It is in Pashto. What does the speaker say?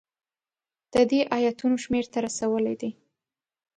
د دې ایتونو شمېر ته رسولی دی.